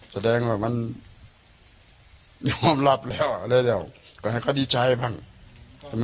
แสดงว่ามันยอมรับแล้วเร็วก่อนให้เขาดีใจบ้างใช่ไหม